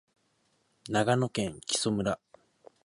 長野県木祖村